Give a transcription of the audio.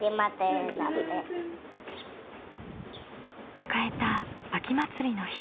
迎えた秋祭りの日。